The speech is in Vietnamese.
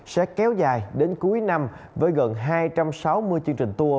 sẽ kéo dài đến cuối năm với gần hai trăm sáu mươi chương trình tour